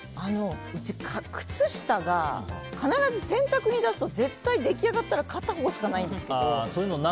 うち、靴下が必ず洗濯に出すと絶対出来上がったら片方しかないんですけど。